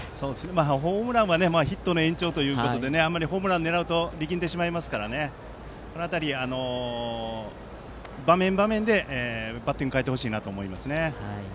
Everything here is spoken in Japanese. ホームランはヒットの延長ということでホームランを狙うと力んでしまいますからその辺り、場面場面でバッティングを変えてほしいなと思います。